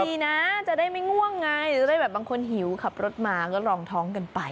ดีนะจะได้ไม่ง่วงไงจะได้แบบบางคนหิวขับรถมาก็ลองท้องกันไป